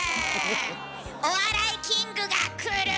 お笑いキングがくる。